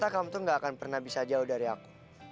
kamu tuh gak akan pernah bisa jauh dari aku